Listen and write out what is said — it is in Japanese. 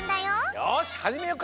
よしはじめようか！